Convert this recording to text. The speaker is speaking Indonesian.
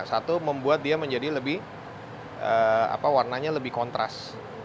satu membuat dia menjadi lebih warnanya lebih kontras